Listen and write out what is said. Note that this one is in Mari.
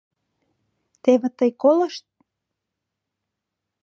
Теве тый колышт!